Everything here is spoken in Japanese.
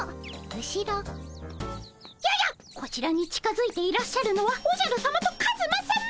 後ろ？ややっこちらに近づいていらっしゃるのはおじゃるさまとカズマさま！